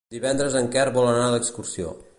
Divendres en Quer vol anar d'excursió.